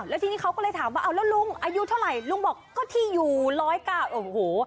แล้วทีนี้เขาก็เลยถามว่าเอาแล้วลุงอายุเท่าไหร่ลุงบอกก็ที่อยู่ร้อยเก้าโอ้โห